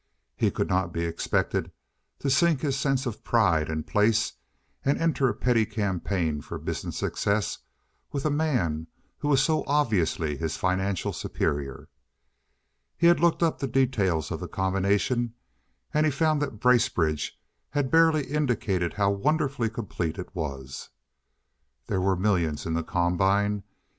He could not be expected to sink his sense of pride and place, and enter a petty campaign for business success with a man who was so obviously his financial superior. He had looked up the details of the combination, and he found that Bracebridge had barely indicated how wonderfully complete it was. There were millions in the combine.